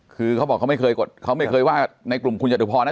คือเขาบอกเขาไม่เคยว่าในกลุ่มคุณจตุภรณ์นะ